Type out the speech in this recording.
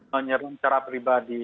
menyeru secara pribadi